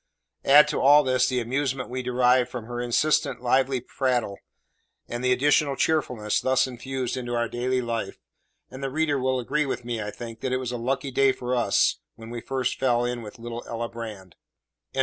Add to all this the amusement we derived from her incessant lively prattle, and the additional cheerfulness thus infused into our daily life, and the reader will agree with me, I think, that it was a lucky day for us when we first fell in with little Ella Brand.